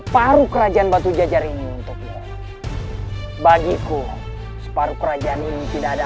bayi laporan dia untuk selesai